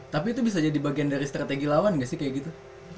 tapi itu bisa jadi bagian dari strategi lawan gak sih kayak gitu